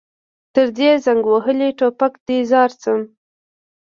تر دې زنګ وهلي ټوپک دې ځار شم.